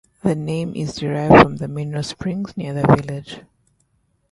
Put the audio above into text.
The name is derived from the mineral springs near the village.